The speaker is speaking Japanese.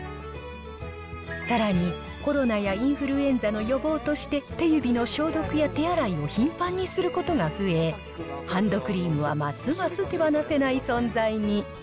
さらにコロナやインフルエンザの予防として、手指の消毒や手洗いを頻繁にすることが増え、ハンドクリームはますます手放せない存在に。